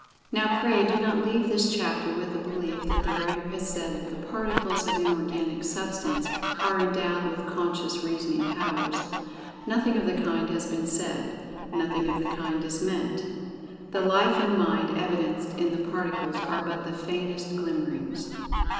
Now, pray do not leave this chapter with the belief that the writer has said that the Particles of Inorganic Substance are endowed with[Pg 59] Conscious reasoning powers. Nothing of the kind has been said—nothing of the kind is meant. The Life and Mind evidenced in the Particles are but the faintest glimmerings.